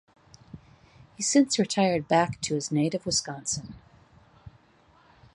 He since retired back to his native Wisconsin.